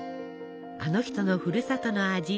あの人のふるさとの味